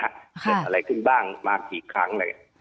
เกิดอะไรขึ้นบ้างมากี่ครั้งเลย